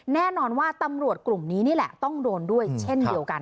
แน่นอนว่าตำรวจกลุ่มนี้นี่แหละต้องโดนด้วยเช่นเดียวกัน